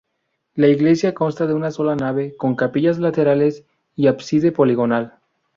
La iglesia consta de una sola nave con capillas laterales y ábside poligonal.